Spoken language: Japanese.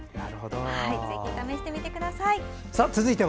ぜひ試してみてください。